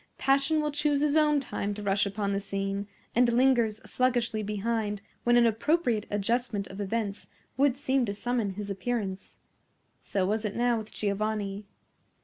Passion will choose his own time to rush upon the scene, and lingers sluggishly behind when an appropriate adjustment of events would seem to summon his appearance. So was it now with Giovanni.